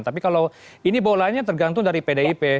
tapi kalau ini bolanya tergantung dari pdip